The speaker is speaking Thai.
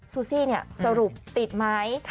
ซูซี่สรุปติดไหม